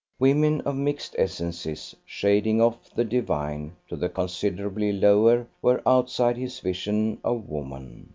Women of mixed essences shading off the divine to the considerably lower were outside his vision of woman.